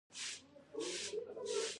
غرمه د وخت نیمايي نقطه ده